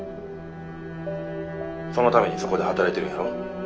そのためにそこで働いてるんやろ？